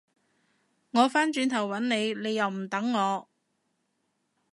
我返轉頭搵你，你又唔等我